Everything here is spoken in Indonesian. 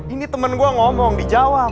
ini temen gue ngomong dijawab